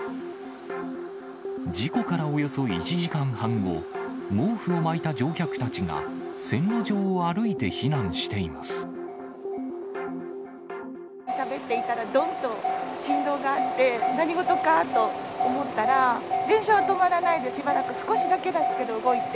事故からおよそ１時間半後、毛布を巻いた乗客たちが、しゃべっていたら、どんと振動があって、何事かと思ったら、電車が止まらないで、しばらく、少しだけですけど動いて。